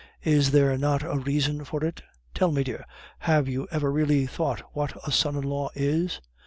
Is there not a reason for it? Tell me, dear, have you ever really thought what a son in law is?